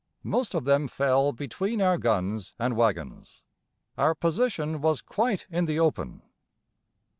Most of them fell between our guns and wagons. Our position was quite in the open.